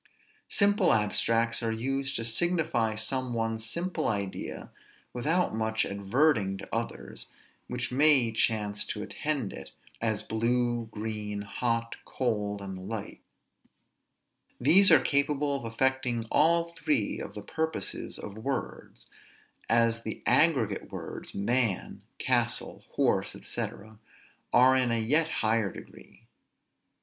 Simple abstracts are used to signify some one simple idea without much adverting to others which may chance to attend it, as blue, green, hot, cold, and the like; these are capable of affecting all three of the purposes of words; as the aggregate words, man, castle, horse, &c. are in a yet higher degree.